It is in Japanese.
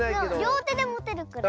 りょうてでもてるくらい。